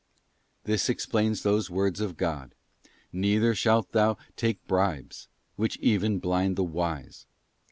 This explains those words of God: ' Neither shalt thou take bribes, which even blind the wise.